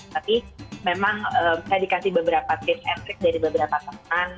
tapi memang saya dikasih beberapa tips and trick dari beberapa teman